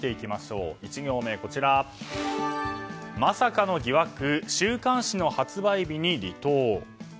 １行目、まさかの疑惑週刊誌の発売日に離党。